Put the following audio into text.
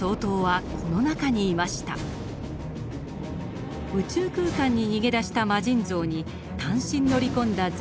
宇宙空間に逃げ出した魔神像に単身乗り込んだ００９。